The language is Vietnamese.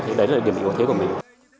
thì đấy là điểm hữu thế của mình